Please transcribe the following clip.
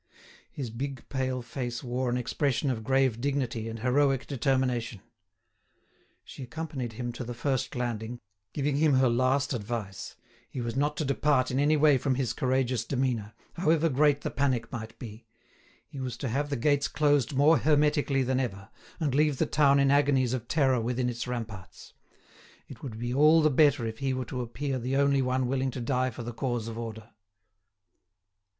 His big pale face wore an expression of grave dignity and heroic determination. She accompanied him to the first landing, giving him her last advice: he was not to depart in any way from his courageous demeanour, however great the panic might be; he was to have the gates closed more hermetically than ever, and leave the town in agonies of terror within its ramparts; it would be all the better if he were to appear the only one willing to die for the cause of order.